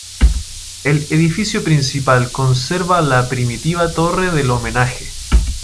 El edificio principal conserva la primitiva Torre del Homenaje.